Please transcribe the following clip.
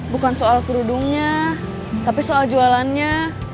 bukan soal kerudungnya tapi soal jualannya